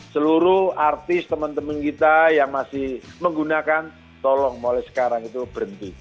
seluruh artis teman teman kita yang masih menggunakan tolong mulai sekarang itu berhenti